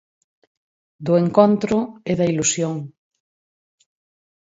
Do encontro e da ilusión.